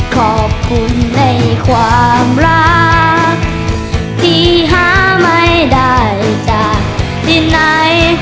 ขอบคุณในความรักที่หาไม่ได้จากดินไหน